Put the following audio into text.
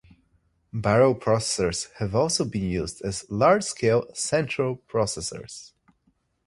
Barrel processors have also been used as large-scale central processors.